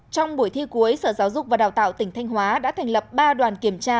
trong buổi thi cuối sở giáo dục và đào tạo tỉnh thanh hóa đã thành lập ba đoàn kiểm tra